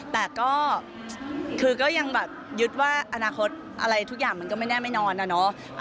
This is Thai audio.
แต่ก็คือก็ยังแบบยึดว่าอนาคตอะไรทุกอย่างมันก็ไม่แน่ไม่นอนนะเนาะ